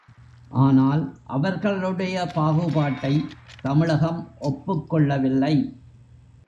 ஆனால், அவர்களுடைய பாகுபாட்டைத் தமிழகம் ஒப்புக்கொள்ளவில்லை.